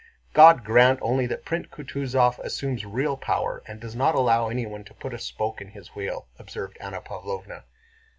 "God grant only that Prince Kutúzov assumes real power and does not allow anyone to put a spoke in his wheel," observed Anna Pávlovna.